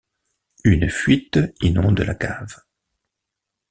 une fuite inonde la cave